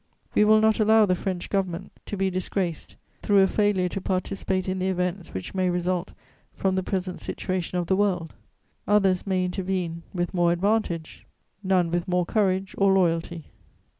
"We will not allow the French Government to be disgraced through a failure to participate in the events which may result from the present situation of the world; others may intervene with more advantage, none with more courage or loyalty.